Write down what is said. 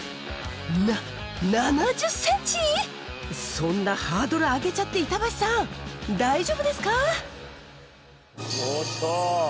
な７０ｃｍ⁉そんなハードル上げちゃって板橋さん大丈夫ですか？